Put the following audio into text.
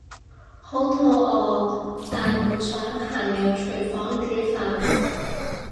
好肚餓但唔想行入廚房飯食